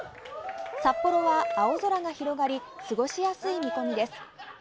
札幌は青空が広がり過ごしやすい見込みです。